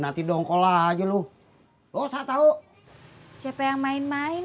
ada lu mai